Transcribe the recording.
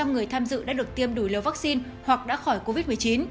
một trăm linh người tham dự đã được tiêm đủ liều vaccine hoặc đã khỏi covid một mươi chín